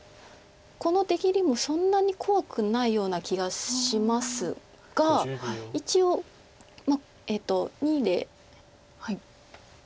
この出切りもそんなに怖くないような気がしますが一応②で。